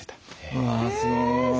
えすごい！